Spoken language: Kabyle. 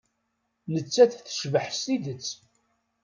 Nettat tecbeḥ s tidet.